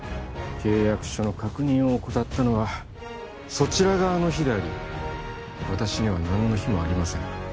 契約書の確認を怠ったのはそちら側の非であり私には何の非もありません